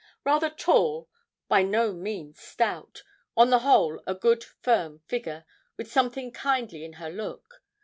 Rather tall, by no means stout, on the whole a good firm figure, with something kindly in her look.